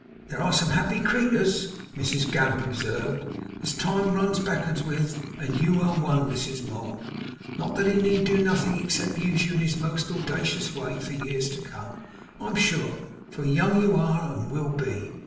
'There are some happy creeturs,' Mrs Gamp observed, 'as time runs back'ards with, and you are one, Mrs Mould; not that he need do nothing except use you in his most owldacious way for years to come, I'm sure; for young you are and will be.